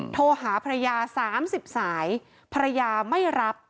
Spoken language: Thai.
โทรหาภรรยา๓๐สายภรรยาไม่รับ